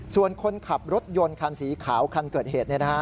ส่วนคนขับรถยนต์คันสีขาวคันเกิดเหตุ